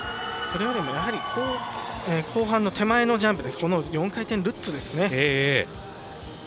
それよりも後半の手前のジャンプ４回転ルッツですね。